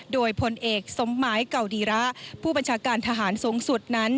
โดยพลเอกสมหมายเก่าดีระผู้บัญชาการทหารสูงสุดนั้น